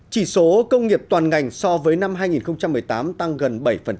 chỉ số công nghiệp toàn ngành so với năm hai nghìn một mươi tám tăng gần bảy